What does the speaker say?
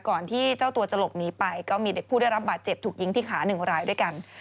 ที่เจ้าตัวจะหลบหนีไปก็มีเด็กผู้ได้รับบาดเจ็บถูกยิงที่ขา๑รายด้วยกัน